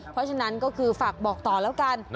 เพราะฉะนั้นก็คือฝากบอกต่อแล้วกัน